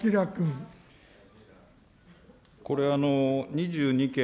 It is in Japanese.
これ、２２件、